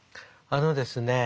あのですね